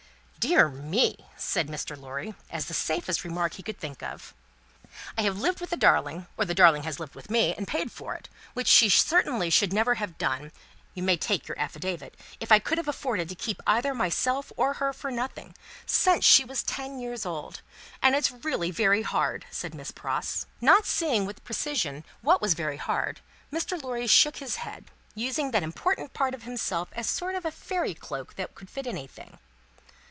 "Dear me!" said Mr. Lorry, as the safest remark he could think of. "I have lived with the darling or the darling has lived with me, and paid me for it; which she certainly should never have done, you may take your affidavit, if I could have afforded to keep either myself or her for nothing since she was ten years old. And it's really very hard," said Miss Pross. Not seeing with precision what was very hard, Mr. Lorry shook his head; using that important part of himself as a sort of fairy cloak that would fit anything.